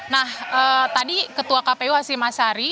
nah tadi ketua kpu hasil masyari